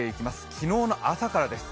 昨日の朝からです。